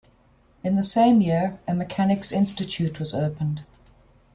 In the same year, a Mechanics' Institute was opened.